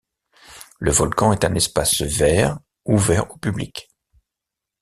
Le volcan est un espace vert ouvert au public.